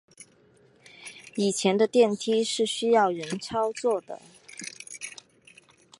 以前的电梯是需要人操作的。